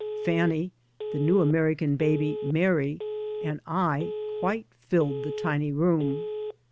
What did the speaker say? Fanny, the new American baby Mary, and I, quite filled the tiny room.